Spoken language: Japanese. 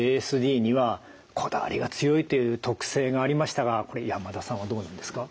ＡＳＤにはこだわりが強いという特性がありましたがこれ山田さんはどうなんですか？